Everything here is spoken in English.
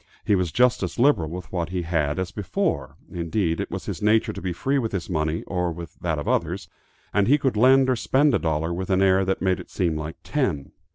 He was just as liberal with what he had as before, indeed it was his nature to be free with his money or with that of others, and he could lend or spend a dollar with an air that made it seem like ten.